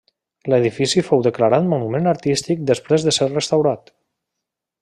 L'edifici fou declarat Monument Artístic després de ser restaurat.